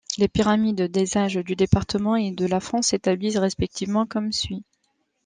Les pyramides des âges du Département et de la France s'établissent respectivement comme suit.